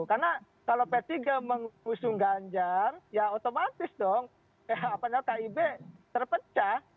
karena kalau p tiga mengusung ganjar ya otomatis dong kib terpecah